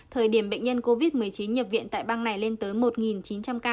thời điểm bệnh nhân covid một mươi chín nhập viện tại bang này lên tới một chín trăm linh ca